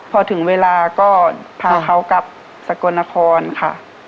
พอถึงเวลาก็พาเขากลับสกลนครค่ะ